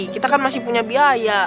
kita kan masih punya biaya